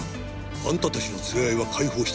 あんた達の連れ合いは解放した」